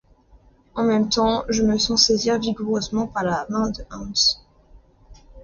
En même temps, je me sens saisir vigoureusement par la main de Hans.